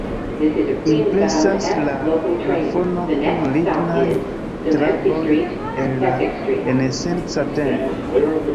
Impresas la plafono kun lignaj traboj el la renesanca tempo.